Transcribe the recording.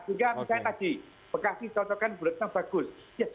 juga misalnya tadi bekasi contohkan bu retno bagus